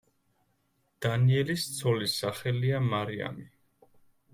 დანიელის ცოლის სახელია მარიამი.